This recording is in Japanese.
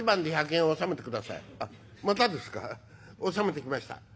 納めてきました。